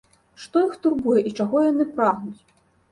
Што іх турбуе і чаго яны прагнуць?